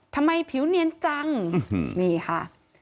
ทำไมผิวเนียนจังนี่ค่ะ